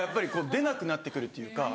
出なくなってくるというか。